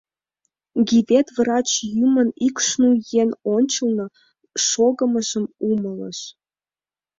Гивет врач Юмын ик шнуй еҥ ончылно шогымыжым умылыш.